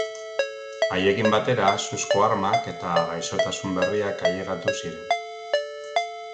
Haiekin batera suzko armak eta gaixotasun berriak ailegatu ziren.